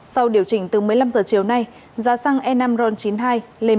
sau điều chỉnh từ một mươi năm h chiều nay giá xăng e năm ron chín mươi hai lên một mươi năm h